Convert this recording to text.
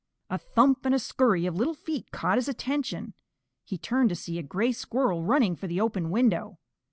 A thump and a scurry of little feet caught his attention, and he turned to see a Gray Squirrel running for the open window.